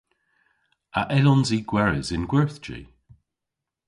A yllons i gweres yn gwerthji?